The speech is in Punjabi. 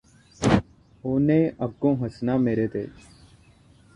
ਉਹਨੇ ਅੱਗੋਂ ਹੱਸਣਾ ਮੇਰੇ ਤੇ